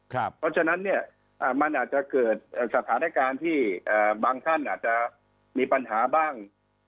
เพราะฉะนั้นเนี่ยมันอาจจะเกิดสถานการณ์ที่บางท่านอาจจะมีปัญหาบ้าง